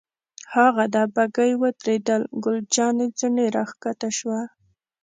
هاغه ده، بګۍ ودرېدل، ګل جانې ځنې را کښته شوه.